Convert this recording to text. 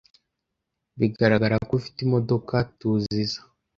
Bigaragara ko ufite imodoka TUZIza.